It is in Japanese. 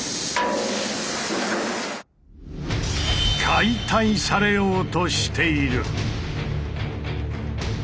解体されようとしている！